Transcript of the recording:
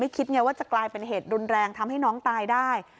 คิดไงว่าจะกลายเป็นเหตุรุนแรงทำให้น้องตายได้